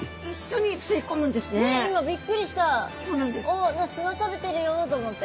お砂食べてるよと思って。